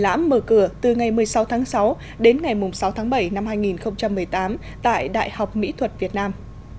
triển lãm mở cửa từ ngày một mươi sáu tháng sáu đến ngày sáu tháng bảy năm hai nghìn một mươi tám tại đại học mỹ thuật việt nam